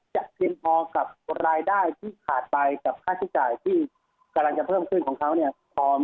เพียงพอกับรายได้ที่ขาดไปกับค่าใช้จ่ายที่กำลังจะเพิ่มขึ้นของเขาเนี่ย